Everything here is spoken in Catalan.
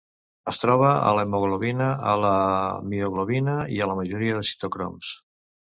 Es troba a l'hemoglobina, a la mioglobina i a la majoria de citocroms.